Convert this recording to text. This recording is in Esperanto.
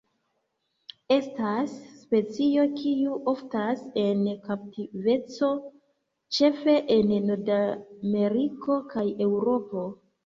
Estas specio kiu oftas en kaptiveco ĉefe en Nordameriko kaj Eŭropo.